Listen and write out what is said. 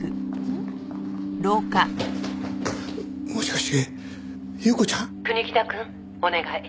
もしかして祐子ちゃん？「国木田くんお願い。